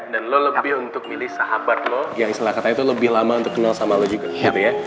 dan lo lebih untuk milih sahabat lo yang setelah kata itu lebih lama untuk kenal sama lo juga gitu ya